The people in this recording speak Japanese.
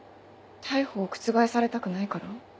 逮捕を覆されたくないから？